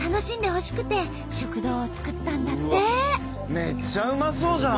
めっちゃうまそうじゃん。